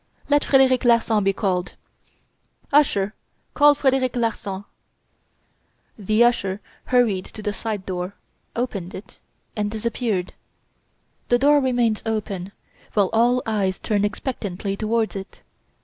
"Let Frederic Larsan be called!" "Usher, call Frederic Larsan." The usher hurried to the side door, opened it, and disappeared. The door remained open, while all eyes turned expectantly towards it.